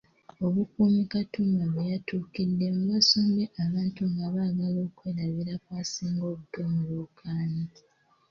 Obukuumi Katumba bwe yatuukiddemu bwasombye abantu nga baagala okwerabira kwasinga obuto mu lwokaano.